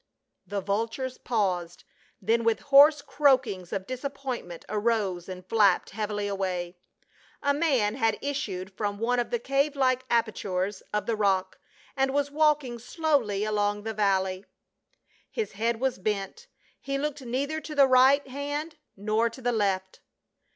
The vultures paused, then with hoarse croakings of disappointment arose and flapped heavily away. A man had issued from one of the cave like apertures of the rock, and was walking slowly along the valley. IN THE DESERT OF SIN AT. 51 His head was bent ; he looked neither to the right hand nor to the left.